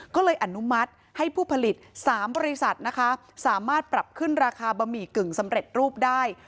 ก็เลยอนุมัติให้ผู้ผลิต๓บริษัทนะคะสามารถปรับขึ้นราคาบะหมี่กึ่งสำเร็จรูปได้